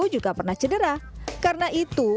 juga pernah cedera karena itu